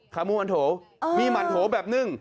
ขามูมันโถมีหมั่นโถแบบนึ่ง